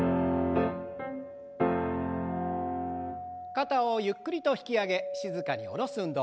肩をゆっくりと引き上げ静かに下ろす運動。